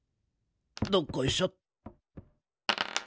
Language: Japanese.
どっこいしょ。